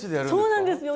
そうなんですよ。